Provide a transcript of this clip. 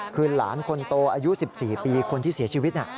คือหลานคนโตอายุ๑๔ปีคนที่เสียชีวิต